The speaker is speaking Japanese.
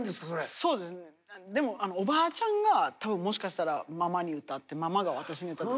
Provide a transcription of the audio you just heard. そうですねでもおばあちゃんが多分もしかしたらママに歌ってママが私に歌って。